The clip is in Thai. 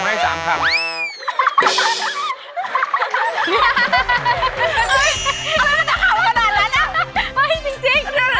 ไม่ต้องขอบขนาดนั้นนะ